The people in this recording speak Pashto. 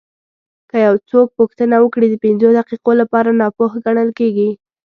که یو څوک پوښتنه وکړي د پنځو دقیقو لپاره ناپوه ګڼل کېږي.